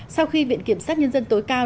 sau khi viện kiểm sát nhân dân tối cao